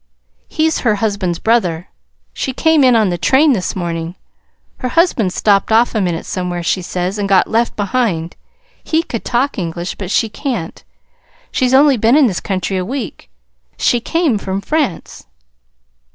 He's her husband's brother. She came in on the train this morning. Her husband stopped off a minute somewhere, she says, and got left behind. He could talk English, but she can't. She's only been in this country a week. She came from France."